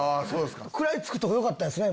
食らいつくとこよかったですね